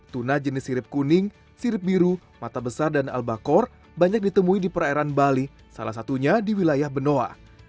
tuna jenis sirip kuning sirip biru mata besar dan al bakor banyak ditemui di perairan bali salah satunya di wilayah benoa